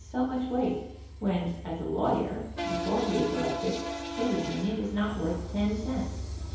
so much weight, when as a lawyer, before he is elected, his opinion is not worth 10 cents.